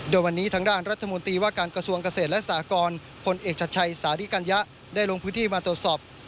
โดยวันนี้ทางด้านรัฐมนตรีว่าการกระทรวงเกษตรและสากรผลเอกชัดชัยสาธิกัญญะได้ลงพื้นที่มาตรวจสอบ